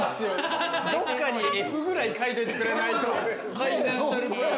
どっかにＦくらい書いててくれないと。